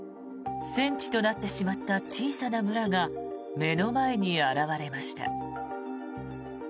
戦地となってしまった小さな村が目の前に現れました。